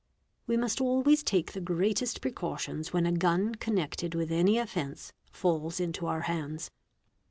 We must always take the greatest precautions when a gun connected — with any offence falls into our hands.